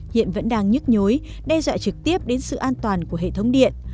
hiện vẫn đang nhức nhối đe dọa trực tiếp đến sự an toàn của hệ thống điện